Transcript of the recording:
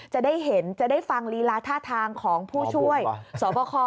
จะได้เห็นจะได้ฟังลีลาท่าทางของผู้ช่วยสบค